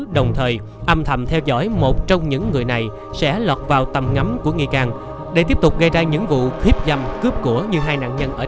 đồng thời âm thầm theo dõi một trong những người này sẽ lọt vào tầm ngắm của nghi can để tiếp tục gây ra những vụ khiếp dâm cướp của như hai nạn nhân ở